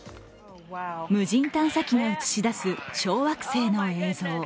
無人探査機が映し出す小惑星の映像。